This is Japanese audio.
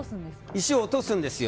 石を落とすんですか？